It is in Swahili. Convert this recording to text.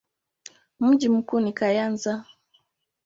Mji mkuu ni Kayanza.